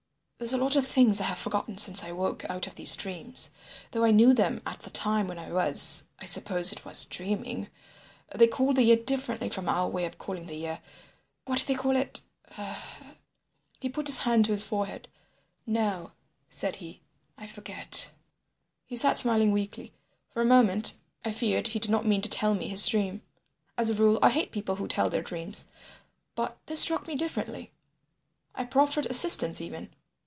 There's a lot of things I have forgotten since I woke out of these dreams, though I knew them at the time when I was—I suppose it was dreaming. They called the year differently from our way of calling the year ... What did they call it?" He put his hand to his forehead. "No," said he, "I forget." He sat smiling weakly. For a moment I feared he did not mean to tell me his dream. As a rule I hate people who tell their dreams, but this struck me differently. I proffered assistance even.